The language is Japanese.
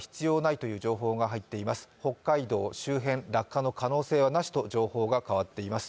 北海道周辺、落下の可能性はなしと情報が変わっています。